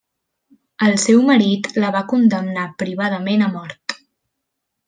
El seu marit la va condemnar privadament a mort.